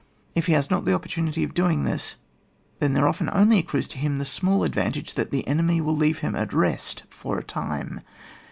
If he has not the opportunity of doing this, then there often only accrues to him the small advantage that the enemy will leave him at rest for a time.